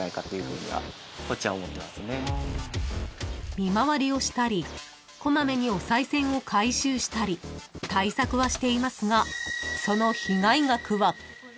［見回りをしたり小まめにおさい銭を回収したり対策はしていますがその］